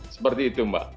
seperti itu mbak